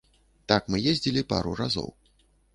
Так мы ездзілі пару разоў.